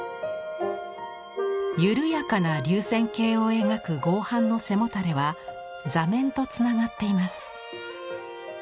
緩やかな流線型を描く合板の背もたれは座面とつながっています。